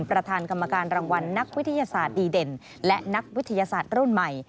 ประธานกรรมการรางวัลนักวิทยาศาสตร์ดีเด่นและนักวิทยาศาสตร์รุ่นใหม่